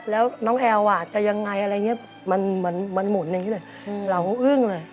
แล้วน้องแอลว่าจะยังไงอะไรอย่างนี้มันหมุนอย่างนี้เลย